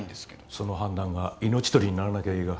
その判断が命取りにならなきゃいいが。